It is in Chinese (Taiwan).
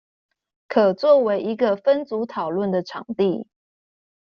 可作為一個分組討論的場地